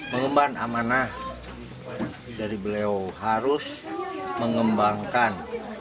mengemban amanah dari beliau harus mengembangkan